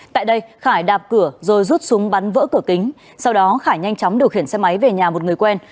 tại đây khải đạp cửa rồi rút súng bắn vỡ cửa kính sau đó khải nhanh chóng điều khiển xe máy về nhà một người quen